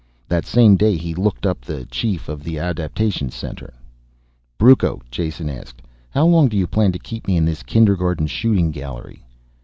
That same day he looked up the chief of the adaptation center. "Brucco," Jason asked, "how long do you plan to keep me in this kindergarten shooting gallery?"